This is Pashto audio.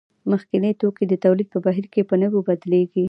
مخکیني توکي د تولید په بهیر کې په نویو بدلېږي